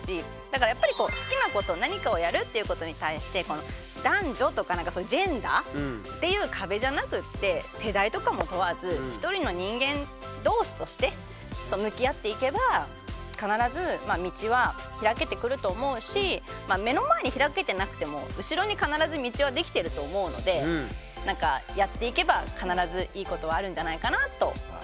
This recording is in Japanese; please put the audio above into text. だからやっぱり好きなこと何かをやるっていうことに対して男女とかジェンダーっていう壁じゃなくって世代とかも問わず一人の人間同士として向き合っていけば必ず道は開けてくると思うし目の前に開けてなくても後ろに必ず道はできてると思うのでやっていけば必ずいいことはあるんじゃないかなと思います。